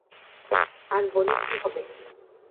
আর বলে কী হবে।